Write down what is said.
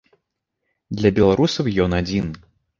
Для беларусаў ён адзін.